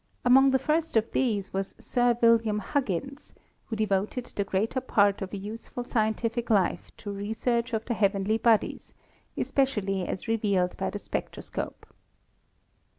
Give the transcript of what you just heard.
Among the first of these was Sir William Huggins, who devoted the greater part of a useful scientific life to research of the heavenly bodies,, especially as revealed by the spectroscope.